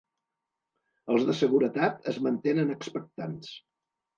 Els de seguretat es mantenen expectants.